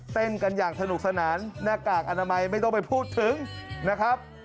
เต้นกันอย่างสนุกสนานหน้ากากอนามัยไม่ต้องไปพูดถึงนะครับ